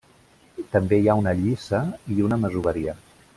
També hi ha una lliça i una masoveria.